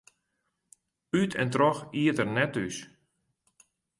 Ut en troch iet er net thús.